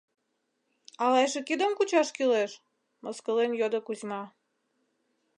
— Ала эше кидым кучаш кӱлеш? — мыскылен йодо Кузьма.